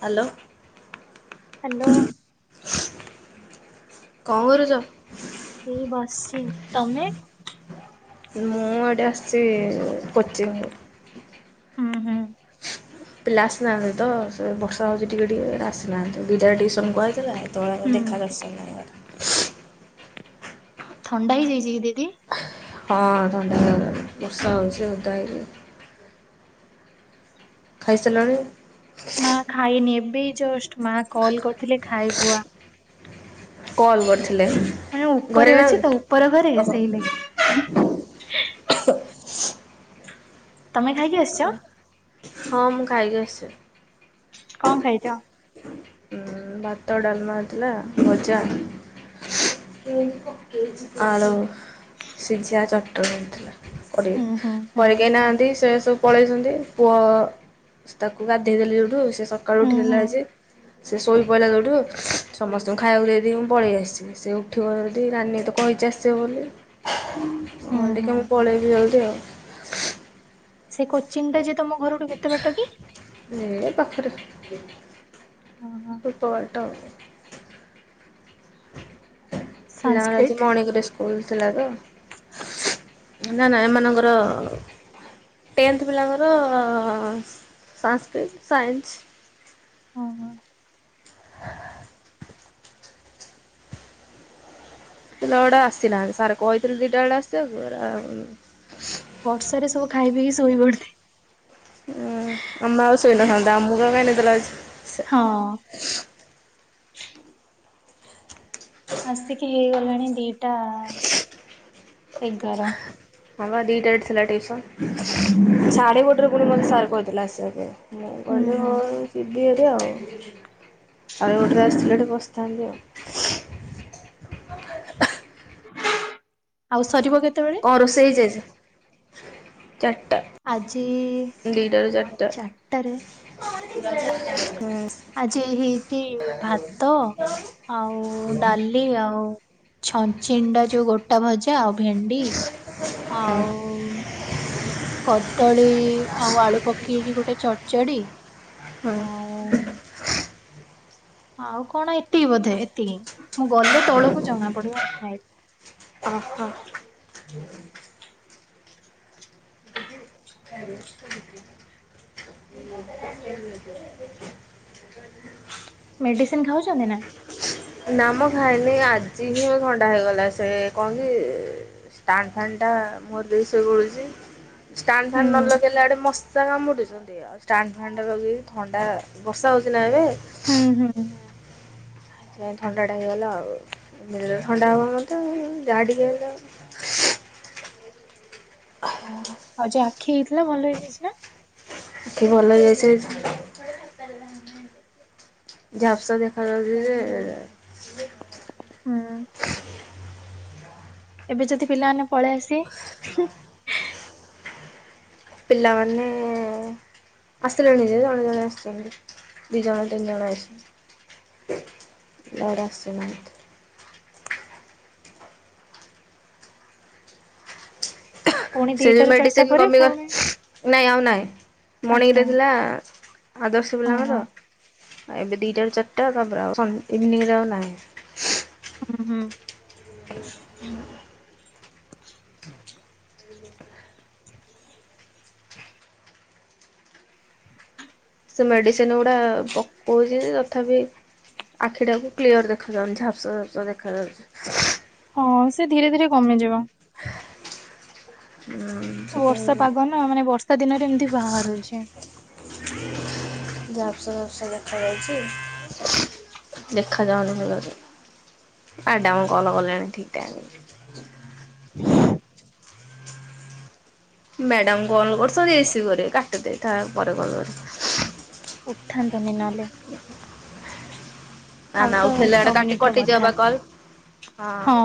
Hello hello କଣ କରୁଚ? ସେଇ ବସଛି ତମେ? ମୁଁ, ଏଠେ ଆସିଛି। କୋଚିଂରୁ ହୁଁ ହୁଁ। ପିଲା ଆସିନାହାନ୍ତିତ ସେ ବର୍ଷା ହେଉଚି ଟିକେ ଟିକେ ଆସିନାହାନ୍ତି। ଦିଟାରେ ଟିଉସନ୍ କୁହା ହେଇଥିଲା ଆଉ। ଦ [unintelligible] ଳ ହୁଁ ଦେଖା ଦଶନ ନାହିଁ ଥଣ୍ଡା ହେଇଯାଇଚିକି ଦିଦି? ହଁ, ଥଣ୍ଡା ଲା [unintelligible] ଗ ବର୍ଷା ହଉଛିଧା ଖାଇସାଲଣି? ନା ଖାଇନି ଏବେ ଜଷ୍ଟ ମା କଲ କରିଥିଲେ ଖାଇବୁଆ। କଲ୍ କରିଥିଲେ ମୁଁ [unintelligible] ଘରେ ଉପରେ ନାହାନ୍ତି? ଅଛି ତ ଉପର ଘରେ ଓହୋ ସେଇଲାଗି। ତମେ ଖାଇକି ଆସିଛ? ଓହ ହଁ ମୁଁ ଖଇକି ଆସି କଣ ଖାଇଚ? ଉଁ ଭାତ, ଡାଲମା ହେଇଥିଲା, ଭଜା [unintelligible] ଆଳୁ ସିଝିଆ ଚଟଣି ହେଇଥିଲା। କରି ହୁଁ ହୁଁ ହୁଁ ଘରେ କେହି ନାହାନ୍ତି। ସେ ସବୁ ପଳେଇଚନ୍ତି। ପୁଅ ତାକୁ ଗାଧେଇ ଦେଲି ଯୋଉଠୁ ସେ ସକାଳୁ ହୁଁ ହୁଁ ଉଠିଲା ଯେ ସେ ଶୋଇ ପ‌ଇଲା ଯୋଉଠୁ, ସମସ୍ତଙ୍କୁ ଖାଇବାକୁ ଦେଇ ଦେଇକି ମୁଁ ପଳେଇ ଆସି ସେ ଉଠିବ ଯଦି ରାନୀ ତ କହିଚି ଆସିବ ବୋଲି। ହୁଁ ହଁ ଦେଖିଆ ହୁଁ। ମୁଁ ପଳେଇମି ଜଲଦି ଆଉ। ସେ କୋଚିଂଟା ଯା ତମ ଘରଠୁ କେତେ ବାଟ କି? ଏ ପାଖରେ [inaudible] ଓହୋ ଅଳ୍ପ ବାଟ। ପିଲାଙ୍କର ଆଜି ସାଂସ୍କ୍ରିଟ ମଣିଙ୍ଗରେ ସ୍କୁଲ ଥିଲା ତ। ନା ନା ଏମାନଙ୍କର ଟେନ୍ଥ ପିଲାଙ୍କର ସାସ୍କ୍ରିଟ, ସାଇନ୍ସ ଓହୋ। [inaudible] ପିଲାଗୁଡା ଆସିନାହାନ୍ତି ସାର୍ କହିଥିଲି ଦିଇଟା ବେଳେ ଆସିବାକୁ ଏରା ବର୍ଷାରେ ସବୁ ଖାଇ ପିଇିକି ଶୋଇ ପଡି [unintelligible] ହୁଁ ତମେ ଆଉ ଶୋଇନ [unintelligible] ଆମକୁ କାଇଁ ନିଦ ଲାଗୁ ହଁ। ଆସିକି ହେଇଗଲାଣି ଦିଇଟା ଏଗାର। ହଁ ପା ଦିଇଟାରେ ଥିଲା ଟିଉସନ୍। ସାଢେ ଗୋଟରେ ଫୁଣି ମତେ ସାର୍ କହିଥିଲେ ଆସିବା ପାଇଁ। ମୁଁ ହୁଁ କହିଲି ହୁଁ ହୋଉ। ଜିବିହାରି ଆଉ, ସାଢେ ଗୋଟେରେ ଆସିଥିଲେ ଏଠି ବସିଥାନ୍ତି ଆଉ। ଆଉ ସରିବ କେତେ ବେ କଣ ରୋଷେଇ ହେଇଯାଇଚି? ଚାରିଟା। ଆଜି ଦିଟାରୁ ଚାରିଟା ଚାରିଟାରେ ହୁଁ। ଆଜି ହେଇଚି ଭାତ ଆଉ ଡା ଲି ଆଉ ଛଚିଣ୍ଡା ଯୋଉ ଗୋଟା ଭଜା ଆଉ ଭେଣ୍ଡି ହୁଁ ଆଉ କଦଳୀ ଆଉ ଆଳୁ ପକେଇକି ଗୋଟେ ଚଡଚଡି ହଁ। ଆଉ ଆଉ କଣ ଏତିକି ବୋଧେ ଏତିକି ମୁଁ ଗଲେ ତଳକୁ ଜଣା ପଡିବ ଖା ଓ ହୋ। ଦଦି ହାଲୋ। [unintelligible] [unintelligible] ମେଡିସିନ ଖାଉଚନ୍ତି ନା‌? ନାମ ଖାଇନି ଆଜି ହିଁ ଥଣ୍ଡା ହେଇଗଲା ସେ କଣ କି ଷ୍ଟାଣ୍ଡ ଫାନ୍ ଟା ମୁହଁରେ ଦେଇ କି ଶୋଇ ପଡୁଚି। ଷ୍ଟାଣ୍ଡ ହୁଁ ଫାନ୍ ନ ଲଗେଇଲେ ଆଡେ ମଶା କାମୁଡିଚନ୍ତି। ଷ୍ଟାଣ୍ଡ ଫ୍ୟାନ୍ ଦେଇଦେବି ଥଣ୍ଡା, ବର୍ଷା ହୋଉଚି ନା ଏବେ ହୁଁ ହୁଁ ହୁଁ। ସେ ଥଣ୍ଡା ଟା ହେଇଗଲା ଆଉ, ଥଣ୍ଡା ହବ ମତେ ଯାହା ଟିକେ ହେଲେ ହଁ ଆଉ ଯାହା ଆଖି ହେଇଥିଲା ଭଲ ହେଇଯାଇଚି ନା? ଆଖି ଭଲ ହେଇ ଯାଇଚି ଝାପ୍ସା ଦେଖାଯାଉଚି ଜେ ହୁଁ,। ଏବେ ଯଦି ପିଲାମାନେ ପଳେଇ ଆସିବେ? ପିଲାମାନେ ଆସିଲେଣି ଜେ ଜଣେ, ଆଉ ଜଣେ ଆସିଚନ୍ତି। ଦି ଜଣ, ତିନି ଜଣ ଆସିଛନ୍ତି। ଇଆଡ଼େ ଆସିନାହାନ୍ତି। ପୁଣି ସେ ଦିଟାରୁ ଚାରିଟା ମେଡିସିନ ପରେ କାବ ପୁଣି ନାଇଁ ଆଉ ନାଇଁ ଆଚ୍ଛା ମର୍ଣିଂରେ ଥିଲା। ଆଦର୍ଶ ହଁ ବିଲାଙ୍କର ହଁ। ଏବେ ଦିଟା ରୁ ଚାରିଟା ତାପରେ ଆଉ ଇଭିନିଂ ରେ ଆଉ ନାହିଁ। ହୁଁ ହୁଁ। ହୁଁ। [inaudible] ସେ ମେଡ଼ିସିନ ଗୁଡ଼ା ପକୋଉଚି ତଥାପି ଆଖିଟାକୁ କ୍ଲିଅର ଦେଖାଯାଉନି ଝାପ୍ସା ଝାପସା ଦେଖାଯାଉଚି। ହଁ, ସେ ଧୀରେ ଧୀରେ କମିଯିବ। ହୁଁ,। ବର୍ଷା ପାଗ ନା, ମାନେ ବର୍ଷା ଦିନରେ ଏମିତି ବାହାରୁଚି। ଝାପସା ଝାପସା ଦେଖା ଯାଉଚି ଦେଖାଯାଉନି ଭଲରେ। ଆ ଡାଉନ କଲ୍ କଲେଣି ଠିକ୍ ଟାଇମ୍ ରେ। ଫୁ। [unintelligible] ମ୍ୟାଡାମ କଲ୍ କରିଛନ୍ତି, ରିସିବ୍ କରିବେ, କାଟି ଦେଇଥା ପରେ କଲ୍ କରିବି। ଉଠାନ୍ତୁନି ନହେଲେ। ନା ଆଉ ନା ତ ଉଠେଇଲେ ଛଅ ଆଡେ କାଟି ମିନିଟ ର କଟି ଯିବ କଥା। ପା କଲ୍ ହଁ,।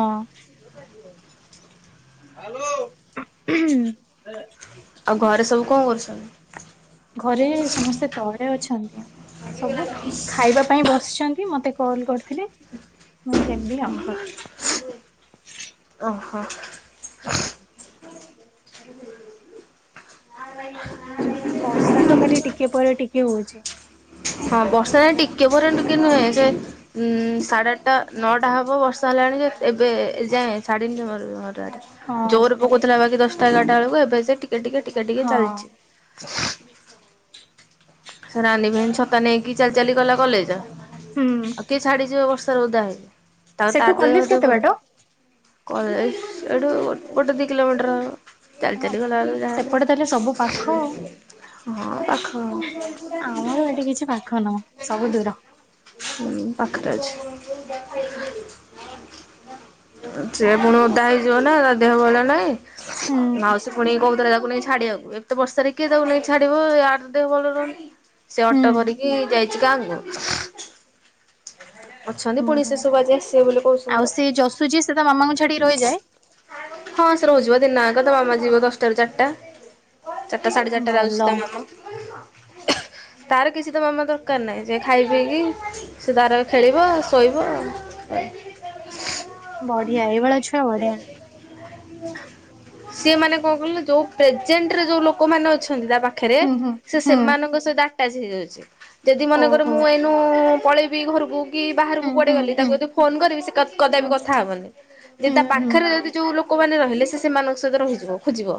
ଆଲୋ ନେ ଆଉ ଘରେ ସବୁ କଣ କରୁଛନ୍ତି? ଘରେ ସମସ୍ତେ ତଳେ ଅଛନ୍ତି। ସବୁ ଖାଇବା ପାଇଁ ବସିଛନ୍ତି ମତେ କଲ୍ କରିଥିଲେ [unintelligible] ଅହ। ବର୍ଷା ତ ଖାଲି ଟିକେ ପରେ ଟିକେ ହୋଉଚି। ହଁ ବର୍ଷା ନା ଟିକେ ପରେ ଟିକେ ନୁହେଁ ସେ ଉଁ ସାଢେ ଆଠଟା ନଅଟା ହବ ବର୍ଷା ହେଲାଣି ଯେ ଏବେ ଯାଏଁ ଛାଡ଼ିନି ଜମାରୁ ଜମାରୁ ତାରେ ହଁ ଜୋରରେ ପକଉଥିଲା ବାକି ଦଶଟା ଏଗାରଟା ବେଳକୁ ଏବେ ସେ ଟିକେ ଟିକେ ଟିକେ ଟିକେ ହଁ ଚାଲିଚି। ସେ ରାନୀ ଭଉଣୀ ଛତା ନେଇକି ଚାଲି ଚାଲି ଗଲା କଲେଜ ହୁଁ ଆଉ କି ଛାଡିଯିବ ବର୍ଷାରେ ଓଦା ହେଲେ ତାପରେ ସେଠୁ ତାର କଲେଜ ଦେ କେତେ ବାଟ? କଲେଜ ଏଠୁ ଗୋଟେ ଦି କିଲୋମିଟର ହବ। ଚାଲି ହଁ। ଚାଲି ଗଲା ବେଳକୁ ଯାହାଲେ ସେପଟେ ତାହେଲେ ସବୁ ପାଖ ଆଉ ହଁ ପାଖ ହବ ଆମର ଏଠି କିଛି ପାଖ ନୁହଁ ସବୁ ଦୂର। ହୁଁ ପାଖରେ ଅଛି। ସେ ଫୁଣି ଓଦା ହେଇଯିବ ନା ତା ଦେହ ଭଲ ନାହିଁ ହୁଁ ମାଉସି ପୁଣି କହୁଥିଲା ତାକୁ ନେଇ ଛାଡିବାକୁ ଏତେ ବର୍ଷାରେ କିଏ ତାକୁ ନେଇ ଛାଡିବ ଆର ତ ଦେହ ଭଲ ରହୁନି। ସେ ହୁଁ ଅଟୋ କରିକି ଯାଇଛି ଗାଁ କୁ। ଅଛନ୍ତି ପୁଣି ହୁଁ। ସେ ସବୁ ଆଜି ଆସିବେ ବୋଲି କହୁଛନ୍ତି ତ। ଆଉ ସେ ଯଶୁ ଯିଏ ସେ ତା ମାମାକୁ ଛାଡିକି ରହିଯାଏ। ହଁ, ସେ ରହୁଛି ପା ଦିନ ଆକ ତା ମାମା ଯିବ ଦଶଟାରୁ ଚାରିଟା। ଚାରିଟା ସାଢେ ଚାରିଟା ଆଉଚି ଭଲ ତା ମାମା। ତାର କିଛି ତା ମାମା ଦରକାର ନାହିଁ ସେ ଖାଇ ପିଇକି ସେ ତାର ଖେଳିବ ଶୋଇବ ଆ ବଢିଆ ଏଇଭଳିଆ ଛୁଆ ବଢିଆ। ସିଏ ମାନେ କଣ କହିଲ ଯୋଉ ପ୍ରେଜେଣ୍ଟରେ ଯୋଉ ଲୋକମାନେ ଅଛନ୍ତି ତା ପାଖ ପାଖରେ ହୁଁ ହୁଁ ସେ ହୁଁ ସେମାନଙ୍କ ସହିତ ଆଟାଚ ହେଇଯାଉଛି ଯଦି ମନେକର ଓହୋ ମୁଁ ଏଇନୁ ପଳେଇ ବି ଘରକୁୁ କି ବାହାରକୁ ହୁଁ କୁଆଡେ ହୁଁ ଗଲି ହୁଁ ତାକୁ ଯଦି ଫୋନ କରିବି ସେ କଦା ହୁଁ କଦାପି କଥା ହବନି ଯେ ହୁଁ ତା ହୁଁ ପାଖରେ ହୁଁ। ଯଦି ଯୋଉ ଲୋକମାନେ ରହିଲେ ସେ ସେମାନଙ୍କ ସହିତ ରହିଯିବ ଖୁଜିବ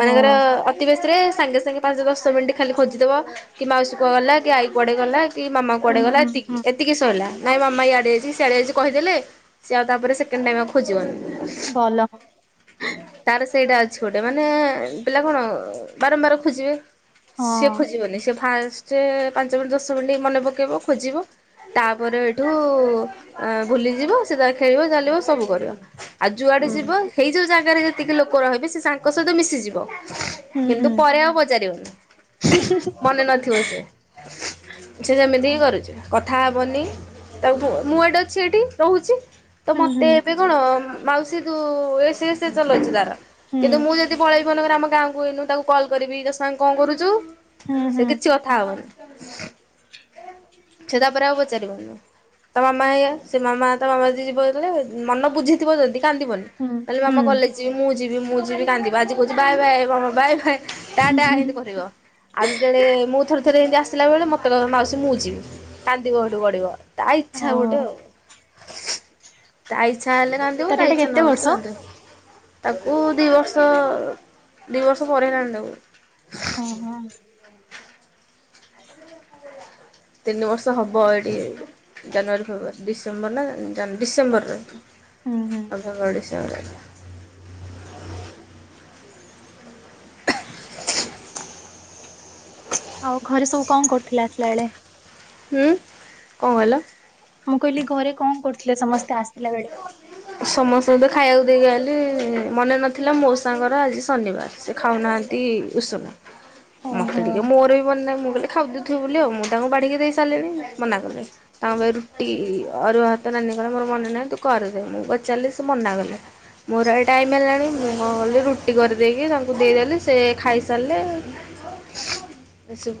ମାନେ ଧର ଅତିବେ ରେ ସାଙ୍ଗେ ସାଙ୍ଗେ ପାଞ୍ଚ ଦଶ ମିନିଟ୍ ଖାଲି ଖୋଜିଦବ କି ମାଉସୀ କୁଆଡେ ଗଲା କି ଆଈ କୁଆଡେ ଗଲା। କି ମାମା ହୁଁ କୁଆଡେ ଗଲା ହୁଁ ଏତିକି ହୁଁ ଏତିକି ସଇଲା ନାଇଁ ମାମା ଇଆଡେ ଯାଇଚି କି ସିଆଡେ ଯାଇଚି କହିଦେଲେ ସିଏ ଆଉ ତାପରେ ସେକଣ୍ଡ ଟାଇମ୍ ଆଉ ଖୋଜିବନି। ଭଲ। ତାର ସେଇଟା ଅଛି ଗୋଟେ ମାନେ ପିଲା କଣ ବାରମ୍ବାର ଖୋଜିବେ। ସିଏ ଖୋଜିବନି ସିଏ ଫାଷ୍ଟ ପାଞ୍ଚ ମିନିଟି, ଦଶ ମିନିଟ୍ ମନେ ପକେଇବ ଖୋଜିବ ତାପରେ ହେଠୁ ଭୁଲିଯିବ ସେ ତାର ଖେଳିବ ଚାଲିବ ସବୁ କରିବ। ଆଉ ଯୁଆଡେ ହୁଁ ଯିବ ହେଇ ଯୋଉ ଜାଗାରେ ଯେତିକି ଲୋକ ରହିବେ ସେ ତାଙ୍କ ସହିତ ମିଶିଯିବ। ହୁଁ ହୁଁ। କିନ୍ତୁ ପରେ ଆଉ ପଚାରିବନି ମନେ ନଥିବ ସେ ସେ ଯେମିତି ହିଁ କରୁଚି କଥା ହବନି। ତାକୁ ପୁଅ ମୁଁ ଏଠି ଅଛି ଏଠି ରହୁଛି [unintelligible] ତ ହୁଁ ମତେ ହୁଁ ଏବେ କଣ ମାଉସୀ ତୁ ଏସ ଏ ସେ ଚଲଉଚି ତାର। ହୁଁ କିନ୍ତୁ ମୁଁ ଯଦି ପଳେଇବି ମନେକର ଆମ ଗାଁକୁ ଏଇନୁ ତାକୁ କଲ୍ କରିବି ଯଶ ଆଁ କଣ କରୁ ଚୁ ହୁଁ, ହୁଁ। କିଛି କଥା ହବନି ସେ ତାପରେ ଆଉ ପଚାରିବନି। ତା ମାମା ହେଇଆ ସେ ମାମା ତା ମାମା ଯଦି ଯିବ ଯେତେଳେ ମନ ବୁଝି ଥିବ ଜଦି କାନ୍ଦିବନି ହୁଁ ତାହେଲେ ମାମା ହୁଁ କଲେଜ୍ ଯିବି ମୁଁ ଯିବି ମୁଁ ଯିବି କାନ୍ଦିବ ଆଜି କହୁଚି ବାଏ ବାଏ ମାମା ବାଏ ବାଏ ଟାଟା ଏମତି କହୁଥିବ। ଆଉ ଯେତେବେଳେ ମୁଁ ଥରେ ଥରେ ଏମିତି ଆସିଲା ବେଳେ ମତେ କହିବ ମାଉସୀ ମୁଁ ଯିବି କାନ୍ଦିବ ହେଠୁ ଗଡିବ। ତା ଓ ଇଚ୍ଛା ଗୋଟେ ଆଉ ତା ଇଚ୍ଛା ହେଲେ କା କାନ୍ଦିବ ତାର ତା ଏଇଟା ଇଛା କେତେ ନହେଲେ ବର୍ଷ? ସେ କାନ୍ଦୁନି। ତାକୁ ଦି ବର୍ଷ ଦି ବର୍ଷ ପରେ ହେଲାଣି ତାକୁ। ଓ ହୋ ତିନି ବର୍ଷ ହବ ଏଇଠି ଜାନୁଆରୀ, ଫେବୃଆାରୀ ଡିସେମ୍ବର, ନା ଡିସେମ୍ବର ରେ। ହୁଁ ହୁଁ ଆମଙ୍କ ଓଡ଼ିଶା ବ [unintelligible] ଆଉ ଘରେ ସବୁ କଣ କରୁଥିଲେ ଆସିଲା ବେଳେ? ହୁଁ, କଣ କହିଲ? ମୁଁ କହିଲି ଘରେ କଣ କରୁଥିଲେ ସମସ୍ତେ ଆସିଥିଲା ବେଳେ। ସମସ୍ତଙ୍କୁ ତ ଖାଇବାକୁ ଦେଇକି ଆଲି ମନେ ନଥିଲା ମୋ ସାଙ୍ଗର ଆଜି ଶନିବାର। ସେ ଖାଉନାହାନ୍ତି ଉଷୁନା ମୋତେ ଓହୋ ଟିକେ ମୋର ବି ମନ ନାହିଁ ମୁଁ କହିଲି ଖାଉଦଉଥିବ ବୋଲି ଆଉ ମୁଁ ତାଙ୍କୁ ବାଢ଼ିକି ଦେଇ ସାରିଲିଣି ମନା କଲେ। ତାଙ୍କ ପାଇଁ ରୁଟି ଅରୁଆ ଭାତ ନାନି କହିଲେ ମୋର ମନେ ନାହିଁ ତୁ କରିରେ ଦେ ମୁଁ ପଚାରିଲି ସେ ମନା କଲେ। ମୋର ଏ ଟାଇମ୍ ହେଲାଣି ମୁଁ କ କଲି ରୁଟି କରିଦେଇକି ତାଙ୍କୁ ଦେଇଦେଲି ସେ ଖାଇସାଇଲେ।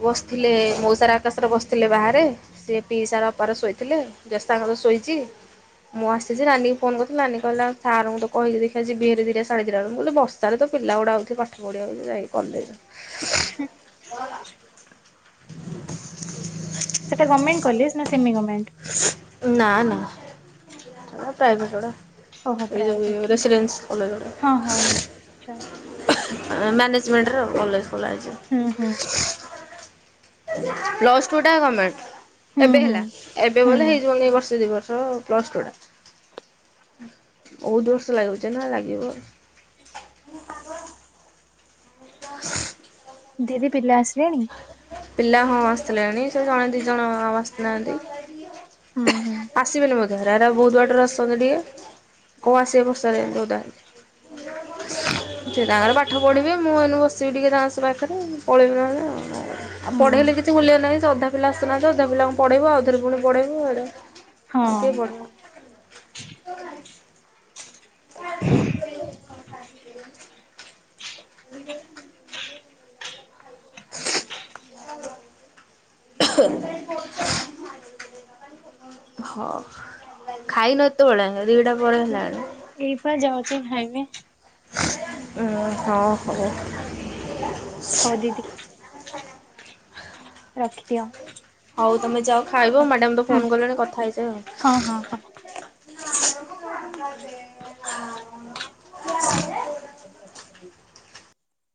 ବସିଥିଲେ ମଉସାର ଆକାଶରେ ବସିଥିଲେ ବାହାରେ। ସେ ପିଇସା ବାପାର ଶୋଇଥିଲେ। ଦେସ୍ତା ବେଳୁ ଶୋଇଛି। ମୁଁ ଆସିି ସେ ରାନୀଙ୍କୁ ଫୋନ କରିଥିଲା ନାନୀ କହିଲା। ସାର ଙ୍କୁ ତ କହିିଛି ଦେଖିବା ଯେ ବିଏରେ ଦିଇଟା ଶାଢ଼ୀ ଆଣିବ। ମୁଁ କହିଲି ବର୍ଷା ର ତ ପିଲା ଗୁଡ଼ା ଆଉଥିବେ ଥିବେ ପାଠ ପଢିବାକୁ ତ ଯାଇଛି କଲେଜେ। ଉହୁଁ। ସେଟା ଗମେଣ୍ଟ କଲେଜେ। ନା ସେମିଗମେଣ୍ଟେ। ନାଁ ନାଁ। ପ୍ରାଇଭେଟ ଗୁଡା। ଓହୋ ଏଇ ଯଉ ପ୍ରାଇଭେଟ ରେସିଡେନ୍ସ କଲେଜର। ହଁ ହଁ ଆଛା ମ୍ୟାନେଜମେଣ୍ଟର କଲେଜେ ଖୋଲାଯାଇଛି। ହୁଁ ହୁଁ ପ୍ଲସ ଟୁ ଟା ଗମେଣ୍ଟେ। ହୁଁ ଏବେ ହୁଁ ହେଲା। ଏବେ ଭଲେ ହୁଁ ହେଇଯିବନି ବର୍ଷ ଦି ବର୍ଷ ପ୍ଲସ ଟୁ ଟା। ବହୁତୁ ବର୍ଷ ଲାଗୁଚି ନା ଲାଗିବ। ଆ ଦିଦି ପିଲା ଆସିଲେଣି? ପିଲା ହଁ ଆସିଥିଲେଣି ସେ ଜଣେ ଦି ଜଣ ହୁଁ ଆସିନାହାନ୍ତି। ହୁଁ ଆସିବେନି ବୋଧେ ରାଧେ ଦେ ବହୁତୁ ବଟରେ ଆସଛନ୍ତି ଟିକେ। କ ଆସିବେ ବର୍ଷା ରେ ଓଦା ସିଏ ତାଙ୍କରେ ପାଠ ପଢ଼ିବେ ମୁଁ ଏନୁ ବସିବି ଟିକେ ତାଙ୍କ ସ ପାଖରେ ପଳେଇିବି ନହେଲେ ଆଉ କ କରିବି। ହୁଁ ପଢେଇଲେ କିଛି ମୂଲ୍ୟ ନାହିଁ ସେ ଅଧାରୁ ପିଲା ଆସୁ ନାହାନ୍ତି ଅଧା ପିଲାଙ୍କୁ ପଢ଼େଇୁ ଆଉ ଥରେ ପୁଣି ପଢେଇବୁ ଏଡ଼େ। ଆଉ କିଏ ହଁ ପଢେଇବ। [unintelligible] ହ ହ ହଁ ଖାଇନେ ଏତେ ବେଳେ ଦିଟା ପରେ ହେଲାଣି। ଏଇପା ଯାଉଛି ଖାଇମି। ଉଁ ହଁ ହଁ। ହଁ ଦିଦି। ରଖିଦିଅ। ହଉ ତମେ ଯାଅ ଖାଇବ ମ୍ୟାଡାମ ତ ହୁଁ ଫୋନ କଲେଣି କଥା ହେଇ ଯାଅ ହଁ ଆଉ। ହଁ ହଁ। ହୁଁ